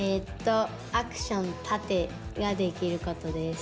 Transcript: アクション殺陣ができることです。